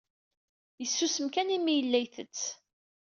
Yessusem kan mi yella itett.